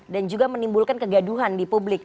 juga menimbulkan kegaduhan di publik